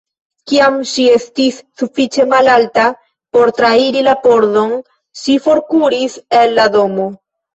Kiam ŝi estis sufiĉe malalta por trairi la pordon, ŝi forkuris el la domo.